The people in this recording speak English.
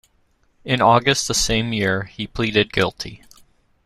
In August the same year he pleaded guilty.